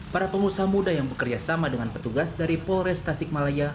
para pengusaha muda yang bekerjasama dengan petugas dari polrestasik malaya